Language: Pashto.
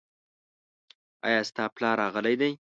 ایا ستا پلار راغلی دی ؟